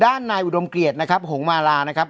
ด้านนายอุดมเกียรตินะครับหงมาลานะครับ